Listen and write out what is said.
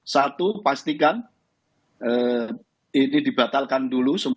satu pastikan ini dibatalkan dulu